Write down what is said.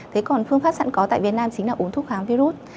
thế còn phương pháp sẵn có tại việt nam chính là uống thuốc kháng virus